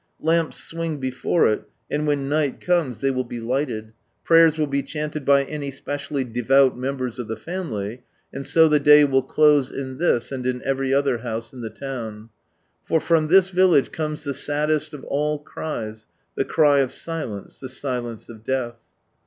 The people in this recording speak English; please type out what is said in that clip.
Lamps swing before it, and when night comes ihey will be lighted, prayers will be chanted by any specially devout members of the family, and so the day will close in this and In every house in the town. For from this village comes the saddest of all cries, the cry of silence — the silence of death.